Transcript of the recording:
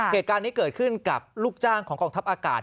เหตุการณ์นี้เกิดขึ้นกับลูกจ้างของกองทัพอากาศ